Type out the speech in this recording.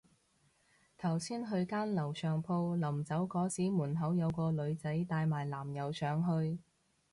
頭先去間樓上鋪，臨走嗰時門口有個女仔帶埋男友上去